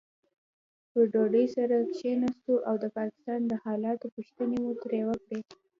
پر ډوډۍ سره کښېناستو او د پاکستان د حالاتو پوښتنې مې ترې وکړې.